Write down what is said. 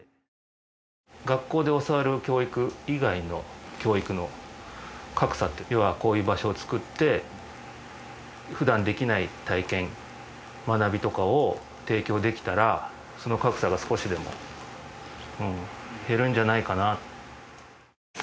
学校で教わる教育以外の教育の格差って要はこういう場所を作って普段できない体験学びとかを提供できたらその格差が少しでも減るんじゃないかな。